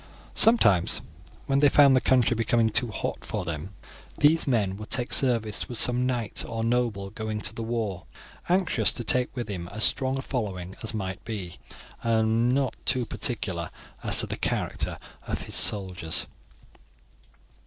Sometimes, when they found the country becoming too hot for them, these men would take service with some knight or noble going to the war, anxious to take with him as strong a following as might be, and not too particular as to the character of his soldiers.